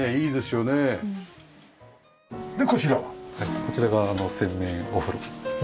こちらが洗面お風呂ですね。